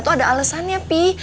itu ada alesannya pi